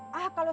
mas jangan loh